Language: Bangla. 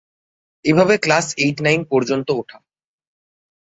এভাবে ক্লাশ এইট-নাইন পর্যন্ত ওঠা।